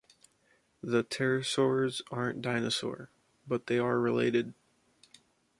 The pterosaurs aren’t dinosaur, but they are related.